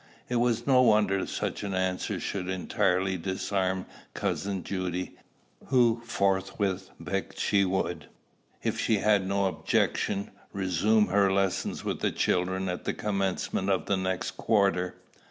It was no wonder such an answer should entirely disarm cousin Judy, who forthwith begged she would, if she had no objection, resume her lessons with the children at the commencement of the next quarter.